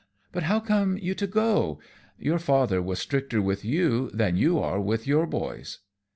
But how come you to go? Your father was stricter with you than you are with your boys."